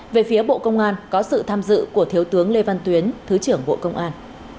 về phía bộ công an có sự tham dự của thiếu tướng lê văn tuyến thứ trưởng bộ công an